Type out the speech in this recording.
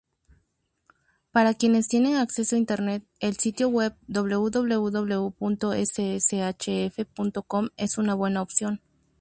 Para quienes tienen acceso a Internet, el sitio web www.sshf.com es una buena opción.